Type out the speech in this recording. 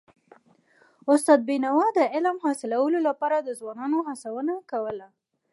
استاد بينوا د علم حاصلولو لپاره د ځوانانو هڅونه کوله.